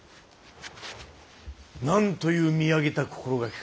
なんという見上げた心がけか。